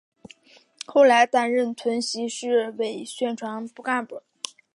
后来担任屯溪市委宣传部干部。